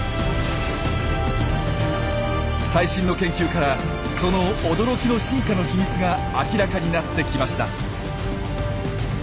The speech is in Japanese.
最新の研究からその驚きの進化の秘密が明らかになってきました。